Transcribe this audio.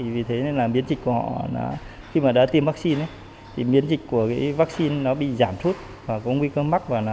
vì thế nên là miễn dịch của họ khi mà đã tiêm vaccine thì miễn dịch của vaccine bị giảm rút và có nguy cơ mắc